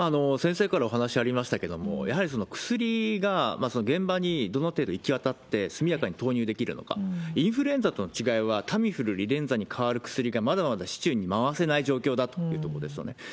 先生からお話ありましたけれども、やはり薬が現場にどの程度行き渡って、速やかに投入できるのか、インフルエンザとの違いはタミフル、リレンザに代わる薬がまだまだ市中に回せない状況だというところですね。